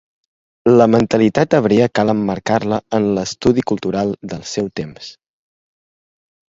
La mentalitat hebrea cal emmarcar-la en l'estadi cultural del seu temps.